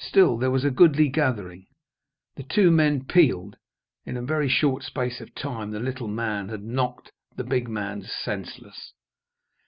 Still there was a goodly gathering. The two men "peeled." In a very short space of time the little man had knocked the big man senseless.